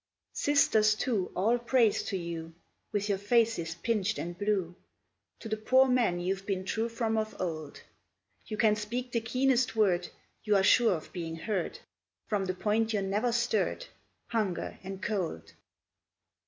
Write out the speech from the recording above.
Sisters two, all praise to you, With your faces pinched and blue; To the poor man you've been true From of old: You can speak the keenest word, You are sure of being heard, From the point you're never stirred, Hunger and Cold!